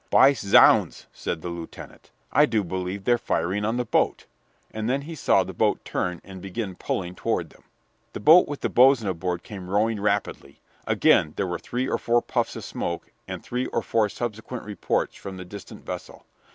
"By zounds!" said the lieutenant. "I do believe they're firing on the boat!" And then he saw the boat turn and begin pulling toward them. The boat with the boatswain aboard came rowing rapidly. Again there were three or four puffs of smoke and three or four subsequent reports from the distant vessel.